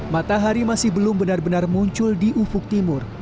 matahari masih belum benar benar muncul di ufuk timur